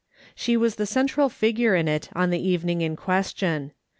She was the central figure in it on the evening in question.